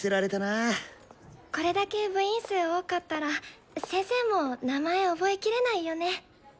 これだけ部員数多かったら先生も名前覚えきれないよね！